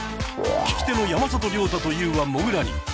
聞き手の山里亮太とＹＯＵはモグラに。